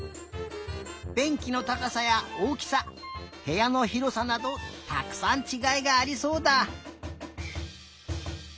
べんきのたかさやおおきさへやのひろさなどたくさんちがいがありそうだ！